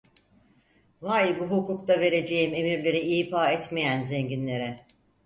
Vay bu hukukta vereceğim emirleri ifa etmeyen zenginlere.